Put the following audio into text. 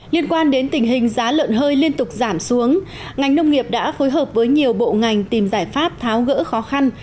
liên quan đến tình hình giá lợn hơi liên tục giảm xuống ngành nông nghiệp đã phối hợp với nhiều bộ ngành tìm giải pháp tháo gỡ khó khăn